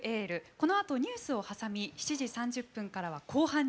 このあとニュースを挟み７時３０分からは後半に突入します。